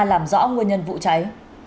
làm rõ nguyên nhân vụ cháy